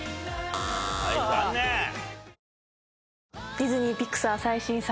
ディズニー＆ピクサー最新作。